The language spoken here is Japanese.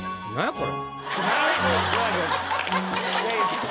これ。